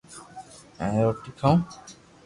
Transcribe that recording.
ھون روٽي کاو